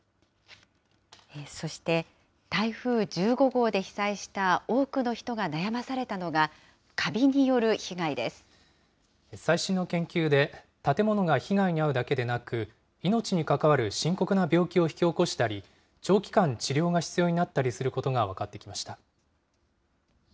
そして、台風１５号で被災した多くの人が悩まされたのが、カビによる被害最新の研究で、建物が被害に遭うだけでなく、命に関わる深刻な病気を引き起こしたり、長期間治療が必要になったりすることが分かってきました。